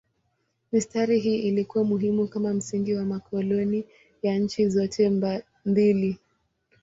Mistari hii ilikuwa muhimu kama msingi wa makoloni ya nchi zote mbili.